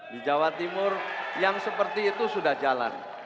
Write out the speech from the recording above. di jawa timur yang seperti itu sudah jalan